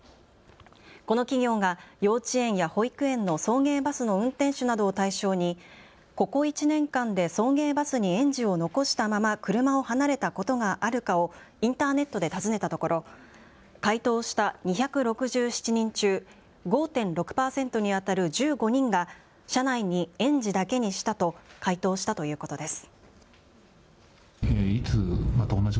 この企業が幼稚園や保育園の送迎バスの運転手などを対象にここ１年間で送迎バスに園児を残したまま車を離れたことがあるかをインターネットで尋ねたところ回答した２６７人中、５．６％にあたる１５人が車内に園児だけにしたと回答したということです。